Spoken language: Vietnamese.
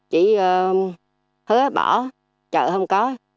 chỉ hứa bỏ chợ không có